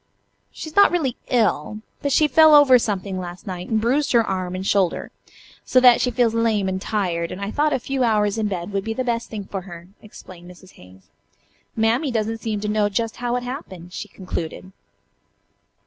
"She is not really ill, but she fell over something last night and bruised her arm and shoulder, so that she feels lame and tired, and I thought a few hours in bed would be the best thing for her," explained Mrs. Hayes. "Mammy doesn't seem to know just how it happened," she concluded.